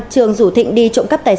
trường dũ thịnh đi trộm cắp tài sản